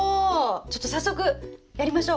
ちょっと早速やりましょう！